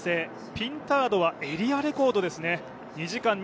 ピンタードはエリアレコード。